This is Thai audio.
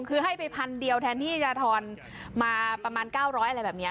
คือให้ไปพันเดียวแทนที่จะทอนมาประมาณ๙๐๐อะไรแบบนี้